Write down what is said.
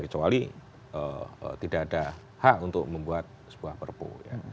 kecuali tidak ada hak untuk membuat sebuah perpu